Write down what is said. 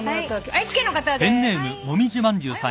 愛知県の方です。